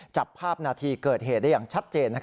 จับภาพนาทีเกิดเหตุได้อย่างชัดเจน